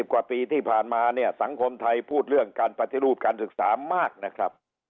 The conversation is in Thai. กว่าปีที่ผ่านมาเนี่ยสังคมไทยพูดเรื่องการปฏิรูปการศึกษามากนะครับ